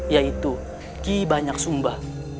yaitu kibanyak sumba